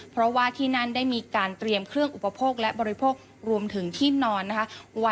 เพราะว่าที่นั่นได้มีการเตรียมเครื่องอุปโภคและบริโภครวมถึงที่นอนนะคะ